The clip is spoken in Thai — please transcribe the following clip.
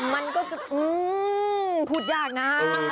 มันก็จะอื้อพูดยากน่ะ